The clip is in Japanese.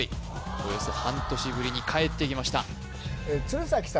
およそ半年ぶりに帰ってきました